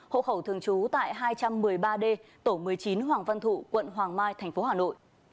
hộ khẩu thường trú tại hai trăm một mươi ba d tổ một mươi chín hoàng văn thụ quận hoàng mai tp hà nội